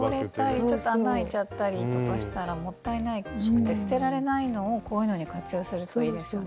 ちょっと穴開いちゃったりとかしたらもったいなくて捨てられないのをこういうのに活用するといいですよね。